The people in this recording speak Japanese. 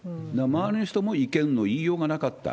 周りの人も意見の言いようがなかった。